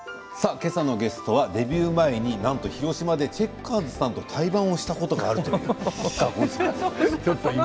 今朝のゲストはデビュー前に、なんと広島でチェッカーズさんと対バンをしたことがあるという吉川晃司さんです。